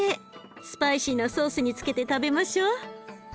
スパイシーなソースにつけて食べましょう。